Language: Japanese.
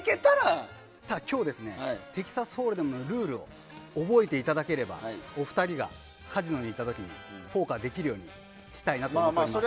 今日はテキサスホールデムのルールを覚えていただければお二人がカジノに行った時ポーカーできるようにしたいと思います。